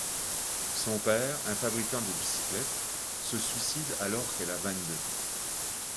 Son père, un fabricant de bicyclettes, se suicide alors qu’elle en a vingt-deux.